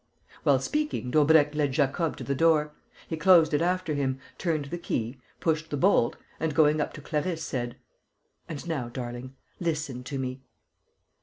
While speaking, Daubrecq led Jacob to the door. He closed it after him, turned the key, pushed the bolt and, going up to Clarisse, said: "And now, darling, listen to me."